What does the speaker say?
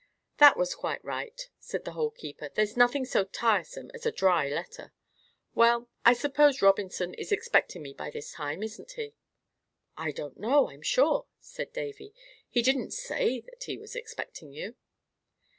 "That was quite right," said the Hole keeper. "There's nothing so tiresome as a dry letter. Well, I suppose Robinson is expecting me by this time, isn't he?" "I don't know, I'm sure," said Davy. "He didn't say that he was expecting you."